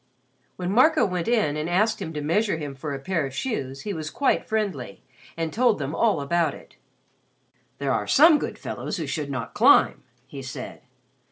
When Marco went in and asked him to measure him for a pair of shoes, he was quite friendly and told them all about it. "There are some good fellows who should not climb," he said.